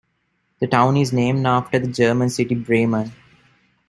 The town is named after the German city Bremen.